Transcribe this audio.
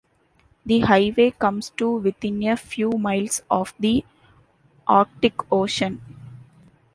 The highway comes to within a few miles of the Arctic Ocean.